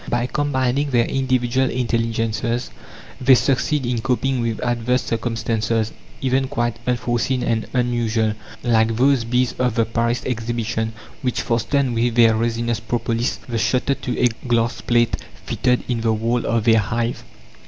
By combining their individual intelligences they succeed in coping with adverse circumstances, even quite unforeseen and unusual, like those bees of the Paris Exhibition which fastened with their resinous propolis the shutter to a glass plate fitted in the wall of their hive.